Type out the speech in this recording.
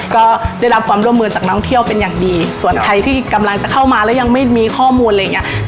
ก็ได้รับความร่วมมือจากน้องเที่ยวเป็นอย่างดีส่วนใครที่กำลังจะเข้ามาแล้วยังไม่มีข้อมูลอะไรอย่างเงี้ย